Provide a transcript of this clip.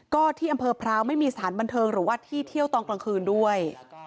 ก็ที่อำเภอพร้าวไม่มีสถานบันเทิงหรือว่าที่เที่ยวตอนกลางคืนด้วย